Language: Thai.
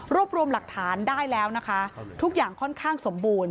รวมรวมหลักฐานได้แล้วนะคะทุกอย่างค่อนข้างสมบูรณ